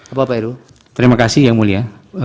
apa pak eru terima kasih yang mulia